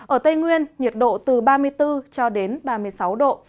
ở tây nguyên nhiệt độ từ ba mươi bốn cho đến ba mươi sáu độ